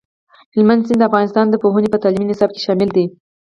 هلمند سیند د افغانستان د پوهنې په تعلیمي نصاب کې شامل دی.